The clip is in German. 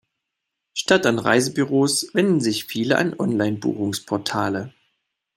Statt an Reisebüros wenden sich viele an Online-Buchungsportale.